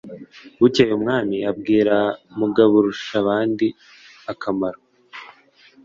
bukeye umwami abwira mugaburushabandakamaro